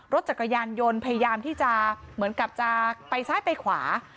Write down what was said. รถจักรยานยนต์พยายามที่จะเหมือนกับจะไปซ้ายไปขวา